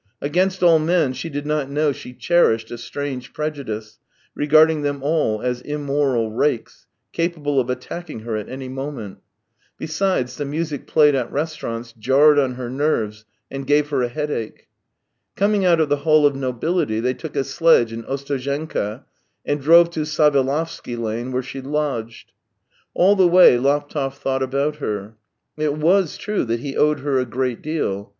Against all men she did not know she cherished a strange prejudice, regarding them all as immoral rakes, capable of attacking her at any moment. Besides, the music played at 234 THE TALES OF TCHEHOV restaurants jarred on her nerves and gave her a headache. Coming out of the Hall of Nobility, they took a sledge in Ostozhenka and drove to Savelovsky Lane, where she lodged. All the way Laptev thought about her. It was true that he owed her a great deal.